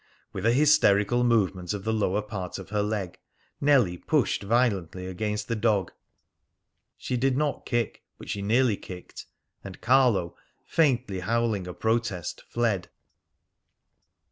With a hysterical movement of the lower part of her leg, Nellie pushed violently against the dog, she did not kick, but she nearly kicked, and Carlo, faintly howling a protest, fled.